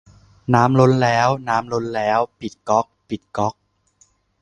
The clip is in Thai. น้ำล้นแล้ว น้ำล้นแล้ว ปิดก๊อก ปิดก๊อก